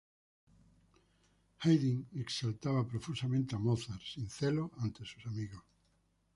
Haydn exaltaba profusamente a Mozart, sin celos, ante sus amigos.